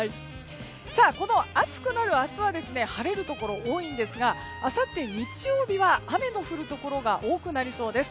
この暑くなる明日は晴れるところ多いんですがあさって日曜日は雨の降るところが多くなりそうです。